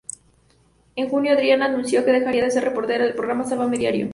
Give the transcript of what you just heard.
En junio, Adriana anunció que dejaría de ser reportera del programa "Sálvame Diario".